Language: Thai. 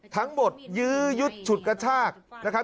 ยื้อยุดฉุดกระชากนะครับ